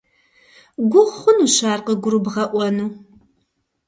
Гугъу хъунущ ар къыгурыбгъэӏуэну.